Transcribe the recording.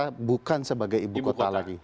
karena bukan sebagai ibu kota